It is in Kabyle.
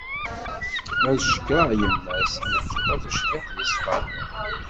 Ad cekkreɣ yemma-s, lfeṭṭa tucbiḥt yeṣfan.